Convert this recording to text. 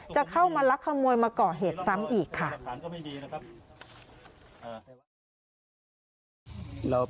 จะเข้ามาลักขโมยมาก่อเหตุซ้ำอีกค่ะ